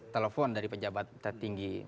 telepon dari pejabat pejabat tinggi